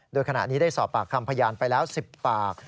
โดยขณะนี้ได้สอบปากคำพยานไปแล้ว๑๐ปาก